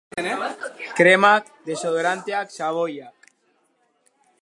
Kremak, desodoranteak, xaboiak.